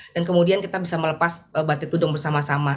dan kemudian kita bisa melepas batik tudong bersama sama